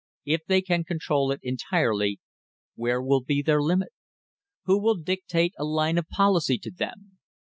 If they can control it entirely, where will be their limit ? Who will dictate a line of policy to them